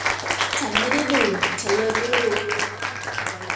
ฉันไม่ได้ดื่ม ฉันเลยไม่รู้